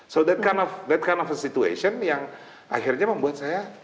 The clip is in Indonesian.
so that kind of situation yang akhirnya membuat saya